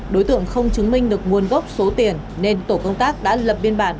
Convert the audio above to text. đối tượng không chứng minh được nguồn gốc số tiền nên tổ công tác đã lập biên bản